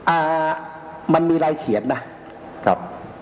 อ่ามันมีรายเขียนนะครับ